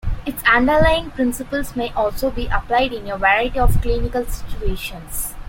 Its underlying principles may also be applied in a variety of clinical situations.